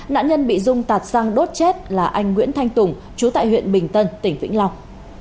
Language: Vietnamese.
nạn nhân bị dung tạt sang đốt chết là anh nguyễn thanh tùng chú tại huyện bình tân tỉnh vĩnh long